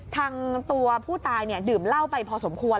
ทางตัวผู้ตายดื่มเหล้าไปพอสมควร